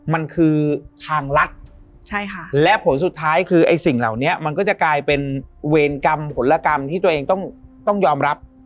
มันคือทางรัฐและผลสุดท้ายคือไอ้สิ่งเหล่านี้มันก็จะกลายเป็นเวรกรรมผลกรรมที่ตัวเองต้องยอมรับ